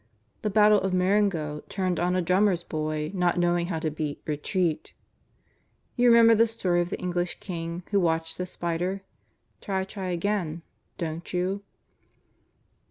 The Battle of Marengo turned on a drummer boy's not knowing how to beat 'Retreat.' You remember the story of the English King who watched a spider Try, try again,' don't you?"